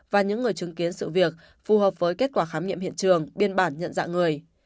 và những người chứng kiến sự việc phù hợp với kết quả khám nghiệm hiện trường biên bản nhận dạng người